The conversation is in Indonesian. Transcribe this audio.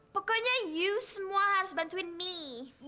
pokoknya you semua harus bantuin mie